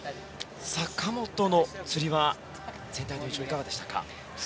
神本のつり輪の全体の印象はいかがでしたか？